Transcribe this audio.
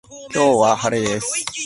今日は晴れです